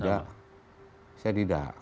oh tidak saya tidak